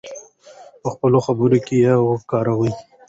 په خپلو خبرو کې یې وکاروو.